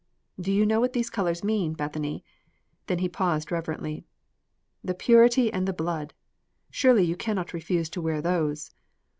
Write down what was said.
"Do you know what the colors mean, Bethany?" Then he paused reverently. "The purity and the blood! Surely, you can not refuse to wear those."